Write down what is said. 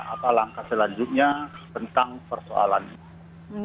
apa langkah selanjutnya tentang persoalan ini